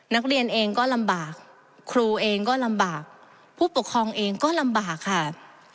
นักเรียนเองก็ลำบากครูเองก็ลำบากผู้ปกครองเองก็ลำบากค่ะ